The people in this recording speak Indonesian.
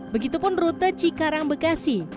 begitupun rute cikarang bekasi